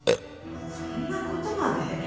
そんな事まで？